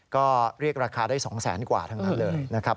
ก็เรียกราคาได้๒แสนกว่าทั้งนั้นเลยนะครับ